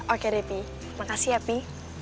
oke depi makasih ya pi